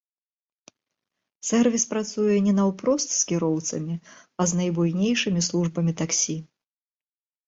Сэрвіс працуе не наўпрост з кіроўцамі, а з найбуйнейшымі службамі таксі.